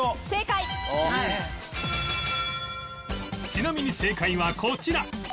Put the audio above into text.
ちなみに正解はこちら